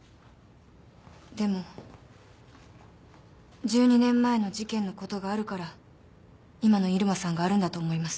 でも１２年前の事件のことがあるから今の入間さんがあるんだと思います。